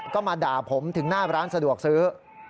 ก็มาด่าผมถึงหน้าร้านสะดวกซื้อ